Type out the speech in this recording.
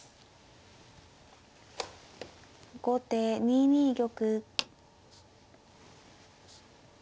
後手２二玉。